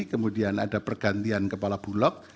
kemudian ada pergantian kepala bulog